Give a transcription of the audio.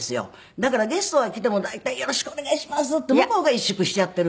だからゲストが来ても大体よろしくお願いしますって向こうが萎縮しちゃっている。